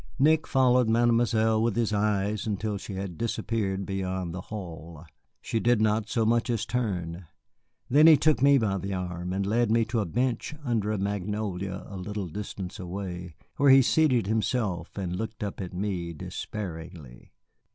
Nick followed Mademoiselle with his eyes until she had disappeared beyond the hall. She did not so much as turn. Then he took me by the arm and led me to a bench under a magnolia a little distance away, where he seated himself, and looked up at me despairingly.